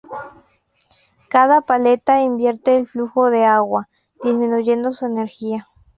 Cada paleta invierte el flujo de agua, disminuyendo su energía.